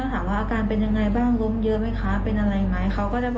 วันที่เขาโทรมาบอกครูไม่เห็นคือเห็นตอนที่น้องล้มไปแล้ว